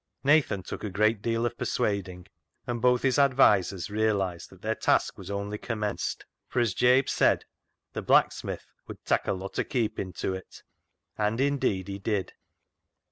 Nathan took a great deal of persuading, and both his advisers realised that their task was only commenced, for, as Jabe said, the black smith would " tak' a lot o' keeping to it." And indeed he did.